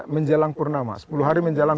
menjelang purnama sepuluh hari menjelang